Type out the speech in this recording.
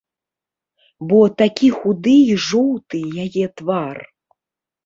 Бо такі худы і жоўты яе твар.